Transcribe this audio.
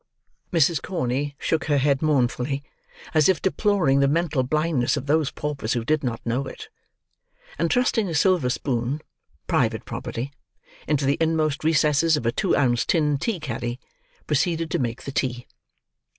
Mrs. Corney shook her head mournfully, as if deploring the mental blindness of those paupers who did not know it; and thrusting a silver spoon (private property) into the inmost recesses of a two ounce tin tea caddy, proceeded to make the tea.